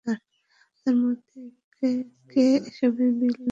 তোমাদের মধ্যে কে এসবের বিল দিবে?